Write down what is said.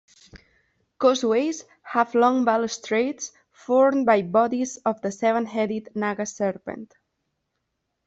Causeways have long balustrades formed by bodies of the seven-headed Naga serpent.